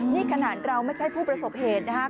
นี่ขนาดเราไม่ใช่ผู้ประสบเหตุนะครับ